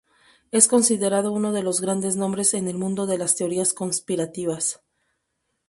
Es considerado uno de los grandes nombres en el mundo de las teorías conspirativas.